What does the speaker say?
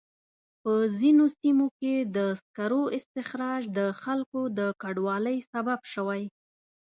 په ځینو سیمو کې د سکرو استخراج د خلکو د کډوالۍ سبب شوی.